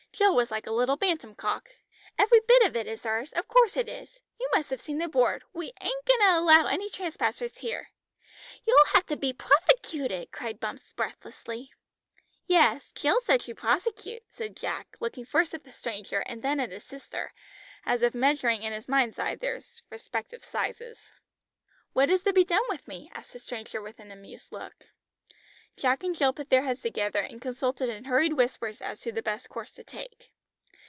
Jill was like a little bantam cock. "Every bit of it is ours, of course it is. You must have seen the board; we ain't going to allow any trespassers here." "You'll have to be prothecuted!" cried Bumps breathlessly. "Yes, Jill said she'd prosecute," said Jack, looking first at the stranger and then at his sister, as if measuring in his mind's eye their respective sizes. "What is to be done with me?" asked the stranger with an amused look. Jack and Jill put their heads together, and consulted in hurried whispers as to the best course to take.